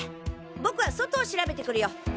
僕は外を調べてくるよ。